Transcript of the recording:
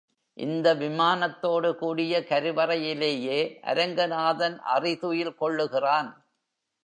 இந்த விமானத்தோடு கூடிய கருவறையிலேயே அரங்கநாதன் அறிதுயில் கொள்ளுகிறான்.